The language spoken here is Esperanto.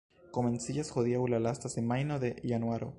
Komenciĝas hodiaŭ la lasta semajno de januaro.